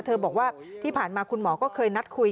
บอกว่าที่ผ่านมาคุณหมอก็เคยนัดคุย